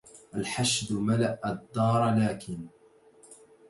الحشد ملء الدار لكن